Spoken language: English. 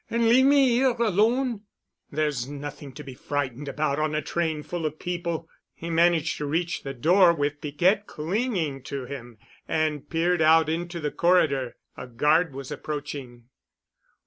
An' leave me here alone——?" "There's nothing to be frightened about on a train full of people——" He managed to reach the door with Piquette clinging to him and peered out into the corridor. A guard was approaching.